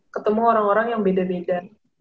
ketemu orang orang yang beda beda